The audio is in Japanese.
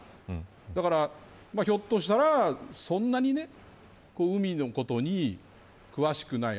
だから、ひょっとしたらそんなに海のことに詳しくない。